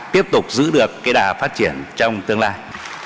tiếp tục giữ được cái đà phát triển trong tương lai